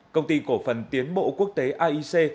công ty cổ phần tiến bộ quốc tế aic